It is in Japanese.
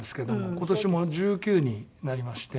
今年もう１９になりまして。